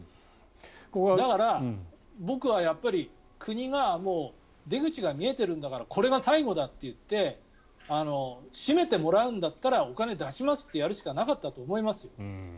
だから、僕は国が出口が見えているんだからこれが最後だって言って閉めてもらうんだったらお金を出しますってやるしかなかったと思います。